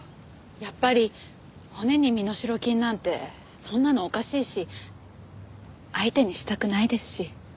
やっぱり骨に身代金なんてそんなのおかしいし相手にしたくないですし。